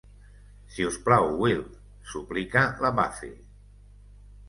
"Si us plau, Will", suplica la Buffy.